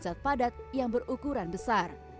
zat padat yang berukuran besar